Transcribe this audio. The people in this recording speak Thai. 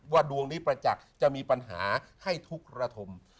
ดวงนี้ประจักษ์จะมีปัญหาให้ทุกระทม